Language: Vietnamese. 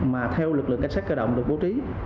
mà theo lực lượng cảnh sát cơ động được bố trí